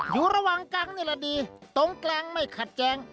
อยู่ระหว่างกลางนี่แหละดีตรงกลางไม่ขัดแย้ง